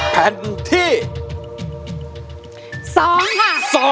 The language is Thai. แผ่นที่๒ค่ะ